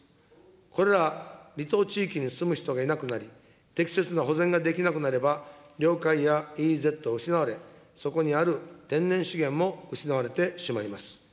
これら離島地域に住む人がいなくなり、適切な保全ができなくなれば、領海やＥＥＺは失われ、そこにある天然資源も失われてしまいます。